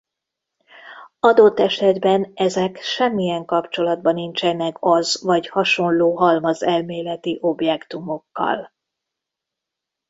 Adott esetben ezek semmilyen kapcsolatban nincsenek az vagy hasonló halmazelméleti objektumokkal.